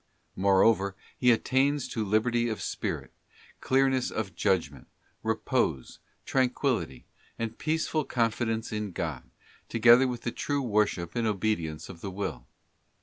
Moreover, he attains to liberty of spirit, clearness of judgment, repose, tranquillity, and peaceful confidence in God, together with the true worship and obedience of the Will.